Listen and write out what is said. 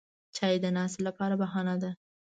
چای د ناستې لپاره بهانه ده